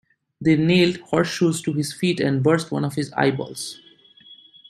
They nailed horseshoes to his feet and burst one of his eyeballs.